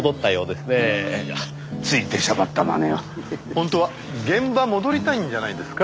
本当は現場戻りたいんじゃないですか？